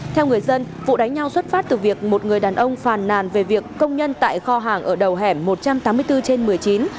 theo người dân vụ đánh nhau xuất phát từ việc một người đàn ông phàn nàn về việc công nhân tại kho hàng ở đầu hẻm một trăm tám mươi bốn trên một mươi chín